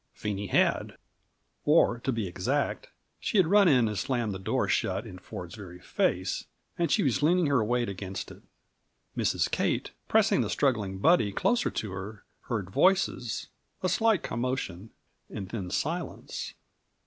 Phenie had. Or, to be exact, she had run in and slammed the door shut in Ford's very face, and she was leaning her weight against it. Mrs. Kate, pressing the struggling Buddy closer to her, heard voices, a slight commotion, and then silence.